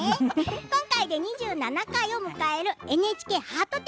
今回で２７回目を迎えるＮＨＫハート展。